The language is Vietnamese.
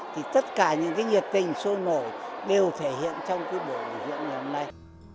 thì tất cả những cái nhiệt tình sôi nổi đều thể hiện trong cái buổi biểu hiện ngày hôm nay